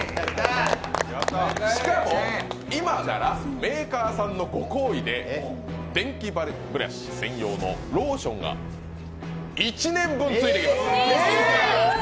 しかも、今ならメーカーさんのご厚意でデンキバリブラシ専用のローションが１年分ついてきます。